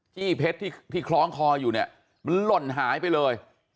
เพชรที่คล้องคออยู่เนี่ยมันหล่นหายไปเลย